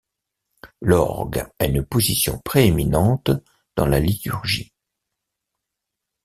L'orgue a une position prééminente dans la liturgie.